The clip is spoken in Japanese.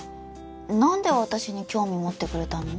何で私に興味持ってくれたの？